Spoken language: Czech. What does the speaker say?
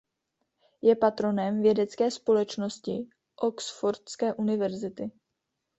Je patronem Vědecké společnosti Oxfordské univerzity.